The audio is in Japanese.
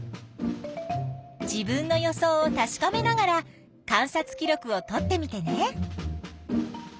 自分の予想をたしかめながら観察記録をとってみてね！